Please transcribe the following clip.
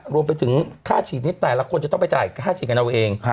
รวมไปถึงค่าฉีดนี้แต่ละคนจะต้องไปจ่ายค่าฉีดกันเอาเอง